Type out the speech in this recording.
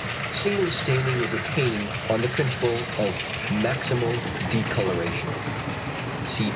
Single staining is attained on the principle of maximal decoloration.